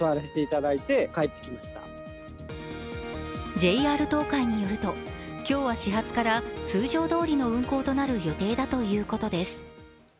ＪＲ東海によると今日は始発から通常どおりの運行るなる予定だということです